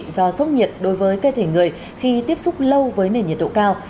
do sốc nhiệt đối với cơ thể người khi tiếp xúc lâu với nền nhiệt độ cao